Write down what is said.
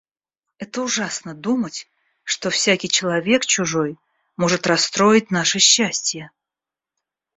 Это ужасно думать, что всякий человек чужой может расстроить наше счастье.